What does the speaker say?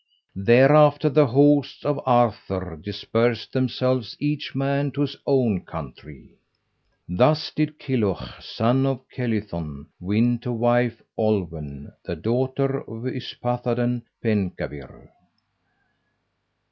Thereafter the hosts of Arthur dispersed themselves each man to his own country. Thus did Kilhuch son of Kelython win to wife Olwen, the daughter of Yspathaden Penkawr.